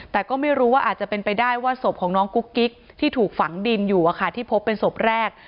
แต่ก็ไม่รู้ว่าอาจจะเป็นไปได้ว่าศพของน้องกุ๊กกิ๊กที่ถูกฝังดินอยู่ที่พบเป็นศพแรก